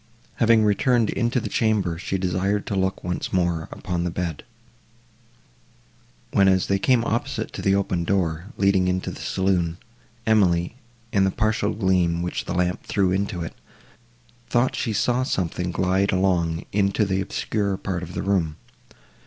Having returned into the chamber, she desired to look once more upon the bed, when, as they came opposite to the open door, leading into the saloon, Emily, in the partial gleam, which the lamp threw into it, thought she saw something glide along into the obscurer part of the room.